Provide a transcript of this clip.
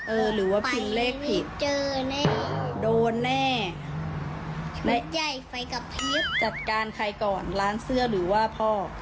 เออหรือว่าผิดเลขผิดโดนแน่ะและจัดการใครก่อนร้านเสื้อหรือว่าพ่อ